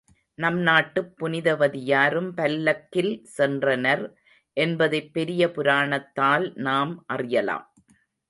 நம் நாட்டுப் புனிதவதியாரும் பல்லக்கில் சென்றனர் என்பதைப் பெரிய புராணத்தால் நாம் அறியலாம்.